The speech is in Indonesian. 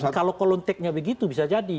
dan kalau kolonteknya begitu bisa jadi